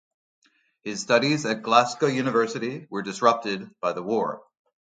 His studies at Glasgow University were disrupted by the war.